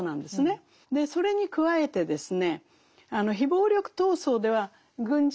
それに加えてですね